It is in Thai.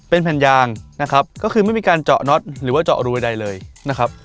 เป็นแผ่นยางนะครับก็คือไม่มีการเจาะน็อตหรือว่าเจาะรูใดเลยนะครับ